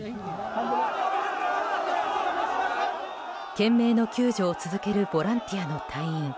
懸命の救助を続けるボランティアの隊員。